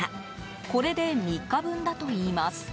これで３日分だといいます。